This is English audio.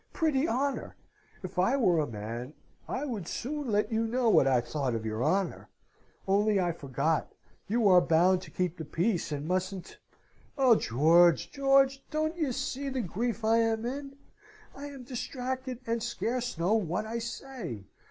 Pretty honour! If I were a man, I would soon let you know what I thought of your honour! Only I forgot you are bound to keep the peace and mustn't... Oh, George, George! Don't you see the grief I am in? I am distracted, and scarce know what I say.